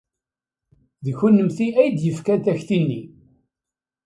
D kennemti ay d-yefkan takti-nni.